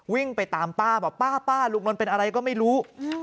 วิ่งไปตามป้าป้าลูกนลเป็นอะไรก็ไม่รู้